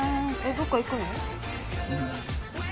どっか行くの？